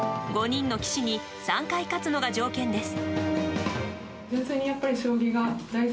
５人の棋士に３回勝つのが条件です。